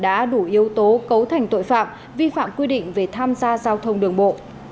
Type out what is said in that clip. hành vi của đảo sơn hải đã đủ yếu tố cấu thành tội phạm vi phạm quy định về tham gia giao thông đường bộ